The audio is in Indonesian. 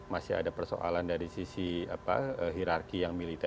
masih ada persoalan dari sisi hirarki yang militer